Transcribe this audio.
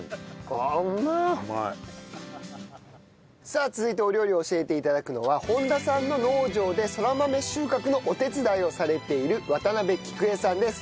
さあ続いてお料理を教えて頂くのは本田さんの農場でそら豆収穫のお手伝いをされている渡辺菊枝さんです。